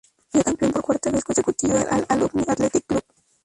Vio campeón por cuarta vez consecutiva al Alumni Athletic Club.